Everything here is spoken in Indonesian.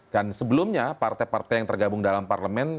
dan sebelumnya partai partai yang tergabung dalam parlemen